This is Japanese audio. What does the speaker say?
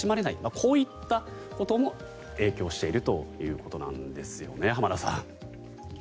こういったことも影響しているということなんですよね浜田さん。